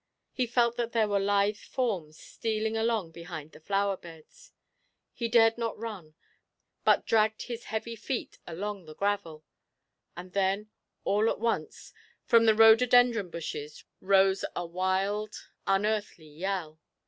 He felt that there were lithe forms stealing along behind the flower beds. He dared not run, but dragged his heavy feet along the gravel; and then, all at once, from the rhododendron bushes rose a wild, unearthly yell.